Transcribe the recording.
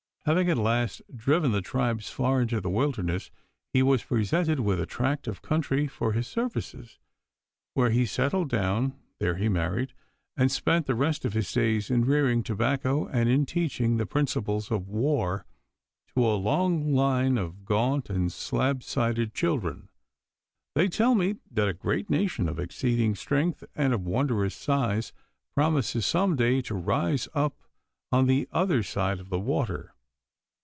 Having at last driven the tribes far into the wilderness he was presented with a tract of country for his services, where he settled down. There he married, and spent the rest of his days in rearing tobacco and in teaching the principles of war to a long line of gaunt and slab sided children. They tell me that a great nation of exceeding strength and of wondrous size promises some day to rise up on the other side of the water.